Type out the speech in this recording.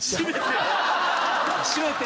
「閉めて」